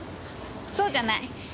そうじゃない。